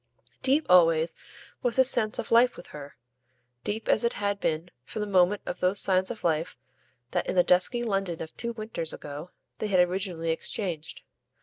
Deep, always, was his sense of life with her deep as it had been from the moment of those signs of life that in the dusky London of two winters ago they had originally exchanged.